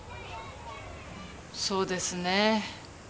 そうですね。